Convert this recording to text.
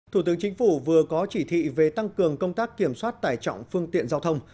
thủ tướng chính phủ vừa có chỉ thị về tăng cường công tác kiểm soát tải trọng phương tiện giao thông